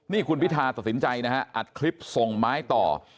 นี่คุณพิธาตัดสินใจนะฮะอัดคลิปส่งไม้ต่อ